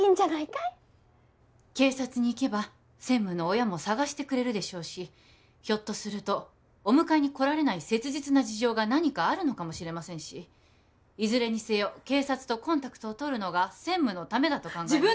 警察に行けば専務の親も捜してくれるでしょうしひょっとするとお迎えに来られない切実な事情が何かあるのかもしれませんしいずれにせよ警察とコンタクトをとるのが専務のためだと考えます